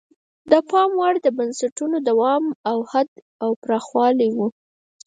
د پام وړ د بنسټونو د دوام حد او پراخوالی وو.